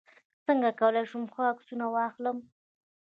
څنګه کولی شم ښه عکسونه واخلم